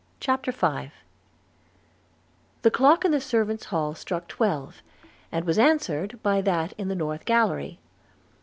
CHAPTER V THE clock in the servants' hall struck twelve, and was answered by that in the north gallery.